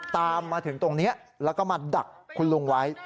ตามมาถึงตรงนี้แล้วก็มาดักคุณลุงไว้